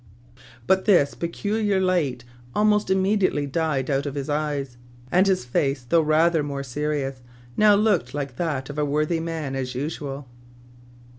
But this peculiar light almost immediately died out of his eyes ; and his face, though rather more serious, now looked like that of a worthy man as usual.